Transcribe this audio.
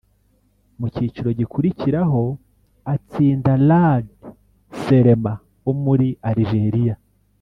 mu cyiciro gikurikiraho atsinda Raad Selma wo muri Algérie